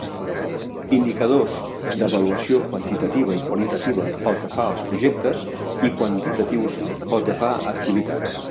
Indicadors d'avaluació quantitativa i qualitativa pel que fa als projectes i quantitatius pel que fa a activitats.